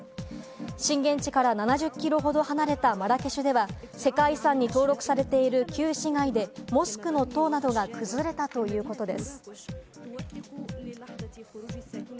震源地から７０キロほど離れたマラケシュでは、世界遺産に登録されている旧市街でモスクの塔などが崩れたということです。